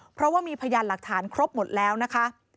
เพราะว่ามีพยานหลักฐานครบหมดแล้วนะคะ